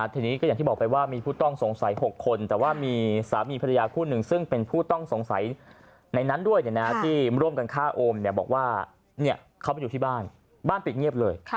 ทีนี้ก็อย่างที่บอกไปว่ามีผู้ต้องสงสัย๖คนแต่ว่ามีสามีภรรยาคู่หนึ่งซึ่งเป็นผู้ต้องสงสัยในนั้นด้วยที่ร่วมกันฆ่าโอมบอกว่าเขาไปอยู่ที่บ้านบ้านปิดเงียบเลย